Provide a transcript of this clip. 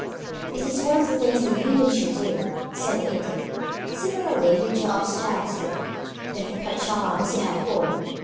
"It is one of the things the union should do," said the Idiot. "Similarly with your up stairs girl, if perchance you have one.